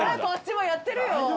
こっちもやってるよ！